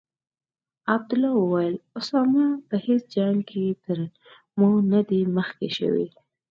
عبدالله وویل: اسامه په هیڅ جنګ کې تر ما نه دی مخکې شوی.